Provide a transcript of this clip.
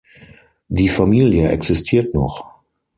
Die Familie existiert noch.